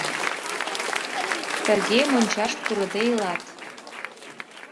Тыге мончаш пурыде илат.